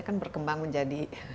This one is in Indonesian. kan berkembang menjadi